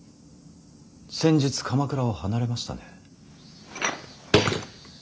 先日鎌倉を離れましたね。